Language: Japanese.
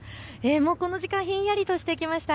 この時間、ひんやりとしてきました。